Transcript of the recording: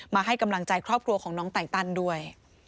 ให้กำลังใจครอบครัวของน้องไตตันด้วย